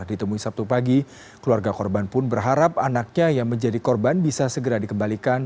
ditemui sabtu pagi keluarga korban pun berharap anaknya yang menjadi korban bisa segera dikembalikan